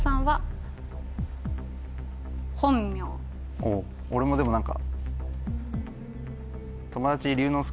おぉ俺もでも何か。